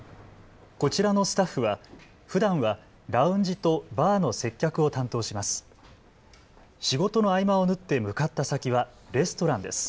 こちらのスタッフはふだんはラウンジとバーの接客を担当します。